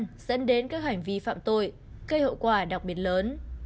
dẫn đến các hành vi phạm tội gây hậu quả đặc biệt lớn